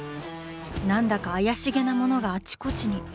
何だか怪しげなものがあちこちに。